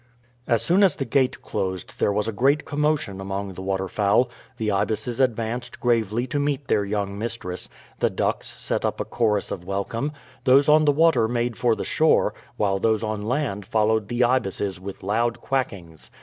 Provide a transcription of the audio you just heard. As soon as the gate closed there was a great commotion among the waterfowl; the ibises advanced gravely to meet their young mistress, the ducks set up a chorus of welcome, those on the water made for the shore, while those on land followed the ibises with loud quackings.